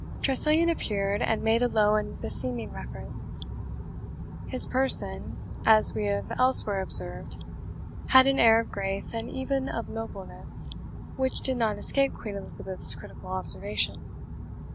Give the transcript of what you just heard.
Tressilian appeared, and made a low and beseeming reference. His person, as we have elsewhere observed, had an air of grace and even of nobleness, which did not escape Queen Elizabeth's critical observation.